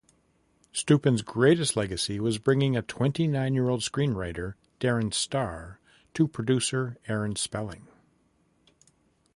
Stupin's greatest legacy was bringing a twenty-nine-year-old screenwriter, Darren Star, to producer Aaron Spelling.